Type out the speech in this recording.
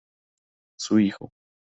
Su hijo.